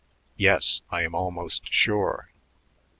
"Yes; I am almost sure."